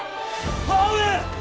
母上！